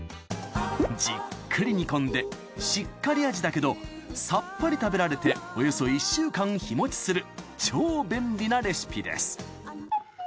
じっくり煮込んでしっかり味だけどさっぱり食べられておよそ１週間日持ちする超便利なレシピです